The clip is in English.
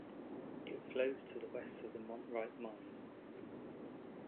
It flows to the west of the Mont Wright mines.